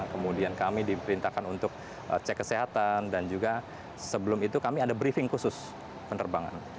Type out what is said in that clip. kemudian kami diperintahkan untuk cek kesehatan dan juga sebelum itu kami ada briefing khusus penerbangan